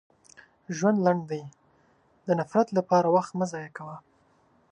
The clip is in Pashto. • ژوند لنډ دی، د نفرت لپاره وخت مه ضایع کوه.